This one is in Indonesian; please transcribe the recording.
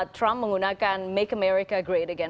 trump menggunakan make america great again